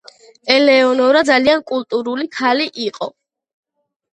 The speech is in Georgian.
ელეონორა ძალიან კულტურული ქალი იყო.